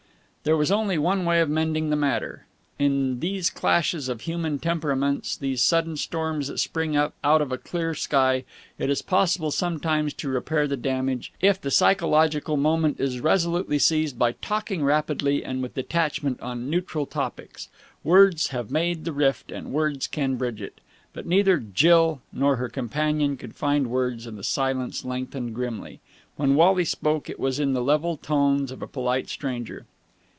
There was only one way of mending the matter. In these clashes of human temperaments, these sudden storms that spring up out of a clear sky, it is possible sometimes to repair the damage, if the psychological moment is resolutely seized, by talking rapidly and with detachment on neutral topics. Words have made the rift, and words alone can bridge it. But neither Jill nor her companion could find words, and the silence lengthened grimly. When Wally spoke, it was in the level tones of a polite stranger.